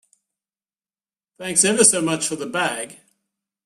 Thanks ever so much for the bag.